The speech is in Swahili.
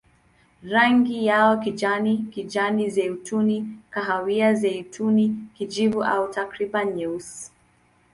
Rangi yao kijani, kijani-zeituni, kahawia-zeituni, kijivu au takriban nyeusi.